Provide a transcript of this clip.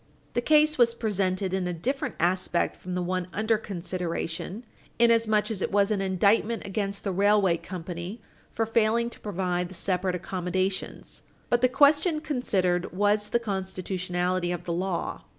The case was presented in a different aspect from the one under consideration, inasmuch as it was an indictment against the railway company for failing to provide the separate accommodations, but the question considered was the constitutionality of the law.